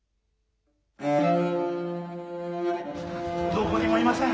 どこにもいません。